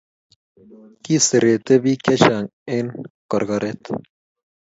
Kiserete pik chechang enkorkoret